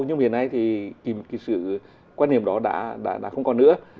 nhưng hiện nay thì cái sự quan niệm đó đã không còn nữa